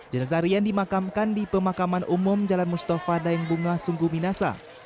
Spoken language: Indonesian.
jenazah rian dimakamkan di pemakaman umum jalan mustafa daeng bunga sungguh minasa